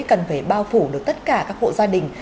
cần phải bao phủ được tất cả các hộ gia đình